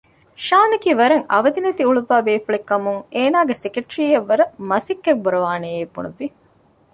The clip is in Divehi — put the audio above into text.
ޝާން އަކީ ވަރަށް އަވަދި ނެތި އުޅުއްވާ ބޭފުޅެއް ކަމުން އޭނާގެ ސެކެޓްރީއަކަށް ވަރަށް މަސައްކަތް ބުރަވާނެއޭ ބުނުއްވި